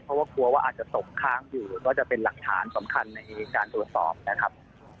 เพราะว่ากลัวว่าอาจจะตกค้างอยู่ก็จะเป็นหลักฐานสำคัญในการตรวจสอบนะครับ